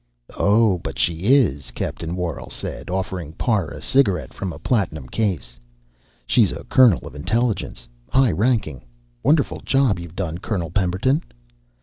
"Oh, but she is," Captain Worrall said, offering Parr a cigarette from a platinum case. "She's a colonel of intelligence high ranking. Wonderful job you've done, Colonel Pemberton."